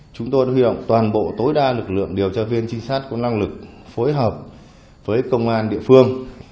chúng tôi đã huy động toàn bộ tối đa lực lượng điều tra viên trinh sát có năng lực phối hợp với công an địa phương